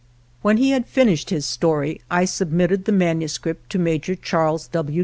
xxii INTRODUCTORY When he had finished his story I sub mitted the manuscript to Major Charles W.